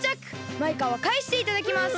マイカはかえしていただきます！